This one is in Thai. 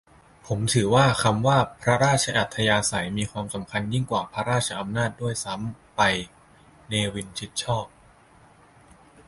ผมถือว่า คำว่า พระราชอัธยาศัย มีความสำคัญยิ่งกว่า พระราชอำนาจ ด้วยซ้ำไป - เนวิน ชิดชอบ